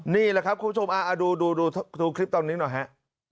นี่แหละครับคุณผู้ชมดูคลิปตอนนี้หน่อยฮะ